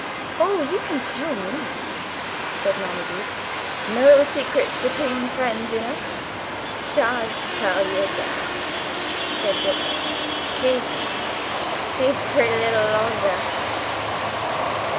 "Oh, you can tell me," said Marmaduke. "No secrets between friends, you know." "Shan't tell you now," said Dick. "Keep shecret little longer."